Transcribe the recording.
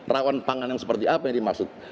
rawan pangan yang seperti apa yang dimaksud